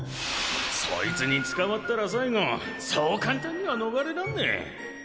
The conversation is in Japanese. そいつに捕まったら最後そう簡単には逃れらんねえ